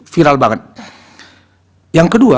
viral banget yang kedua